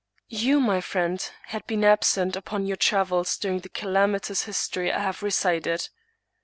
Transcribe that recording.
You, my friend, had been absent upon your travels during the calam itous history I have recited.